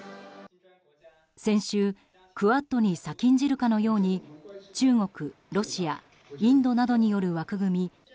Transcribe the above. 先週、クアッドに先んじるかのように中国、ロシア、インドなどによる枠組み